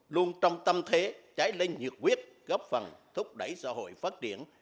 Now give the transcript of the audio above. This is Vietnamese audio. luôn trong tâm thế trái lên nhiệt quyết góp phần thúc đẩy xã hội phát triển